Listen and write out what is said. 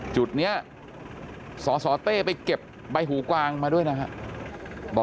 จุดนี้สสเต้ไปเก็บใบหูกวางมาด้วยนะครับ